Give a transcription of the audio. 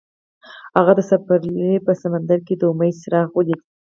هغه د پسرلی په سمندر کې د امید څراغ ولید.